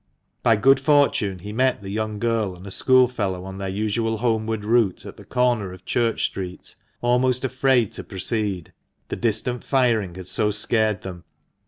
By good fortune he met the young girl and a schoolfellow on their usual homeward route, at the Corner of Church Street, almost afraid to proceed, the distant firing had so scared them.